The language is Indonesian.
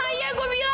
ya ya gua bilang